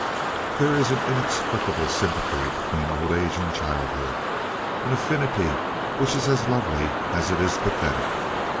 There is an inexplicable sympathy between old age and childhood, an affinity which is as lovely as it is pathetic.